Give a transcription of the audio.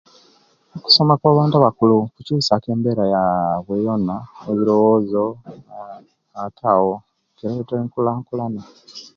Okusoma okwabantu abakulu kukyusiya ku embera yaibwe yona ebirowoozo ate awo kireta enkulakulana